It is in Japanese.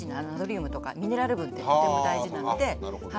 ナトリウムとかミネラル分ってとても大事なので。